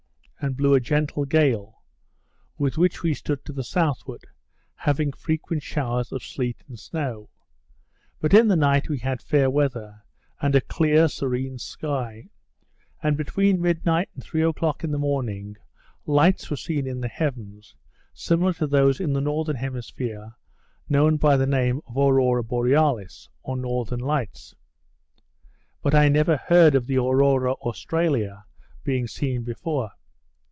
and blew a gentle gale, with which we stood to the southward; having frequent showers of sleet and snow. But, in the night, we had fair weather, and a clear serene sky; and, between midnight and three o'clock in the morning, lights were seen in the heavens, similar to those in the northern hemisphere, known by the name of Aurora Borealis, or Northern Lights; but I never heard of the Aurora Australia been seen before.